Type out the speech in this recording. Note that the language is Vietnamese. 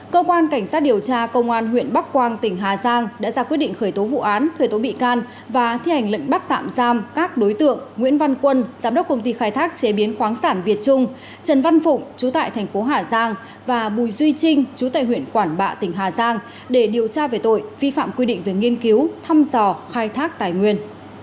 cơ quan cảnh sát điều tra công an huyện bắc quang tỉnh hà giang đã ra quyết định khởi tố vụ án khởi tố bị can và thi hành lệnh bắt tạm giam các đối tượng nguyễn văn quân giám đốc công ty khai thác chế biến khoáng sản việt trung trần văn phụng chú tại thành phố hà giang và bùi duy trinh chú tại huyện quảng bạ tỉnh hà giang để điều tra về tội vi phạm quy định về nghiên cứu thăm dò khai thác tài nguyên